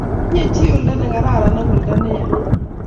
Tinyei chii oldo ne kararan ak oldo ne ya